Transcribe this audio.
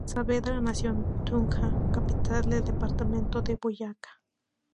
Saavedra nació en Tunja, capital del departamento de Boyacá.